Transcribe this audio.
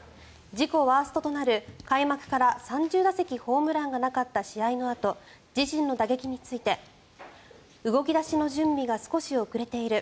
自己ワーストとなる開幕から３０打席ホームランがなかった試合のあと自身の打撃について動き出しの準備が少し遅れている